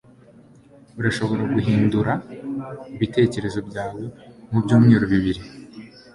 Urashobora guhindura ibitekerezo byawe mubyumweru bibiri.